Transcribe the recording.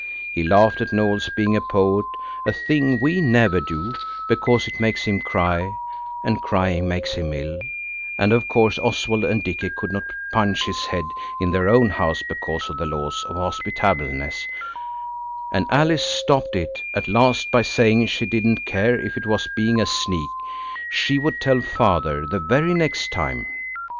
He laughed at Noël's being a poet–a thing we never do, because it makes him cry and crying makes him ill–and of course Oswald and Dicky could not punch his head in their own house because of the laws of hospitableness, and Alice stopped it at last by saying she didn't care if it was being a sneak, she would tell Father the very next time.